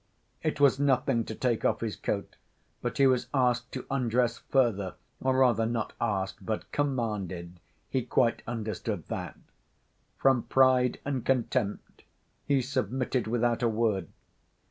It was nothing to take off his coat, but he was asked to undress further, or rather not asked but "commanded," he quite understood that. From pride and contempt he submitted without a word.